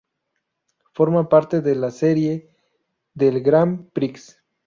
Forma parte de la serie del Grand Prix.